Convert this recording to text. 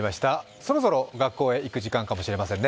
そろそろ学校へ行く時間かもしれませんね。